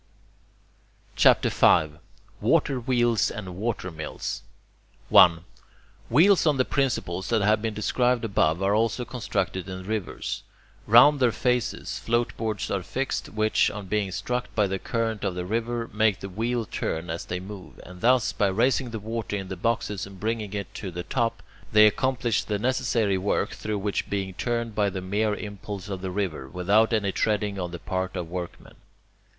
CHAPTER V WATER WHEELS AND WATER MILLS 1. Wheels on the principles that have been described above are also constructed in rivers. Round their faces floatboards are fixed, which, on being struck by the current of the river, make the wheel turn as they move, and thus, by raising the water in the boxes and bringing it to the top, they accomplish the necessary work through being turned by the mere impulse of the river, without any treading on the part of workmen.